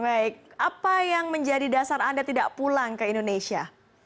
baik apa yang menjadi dasar anda tidak pulang ke indonesia